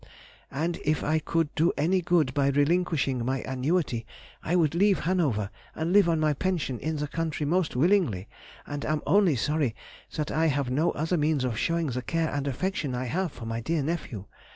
And if I could do any good by relinquishing my annuity I would leave Hanover and live on my pension in the country most willingly, and am only sorry that I have no other means of showing the care and affection I have for my dear nephew.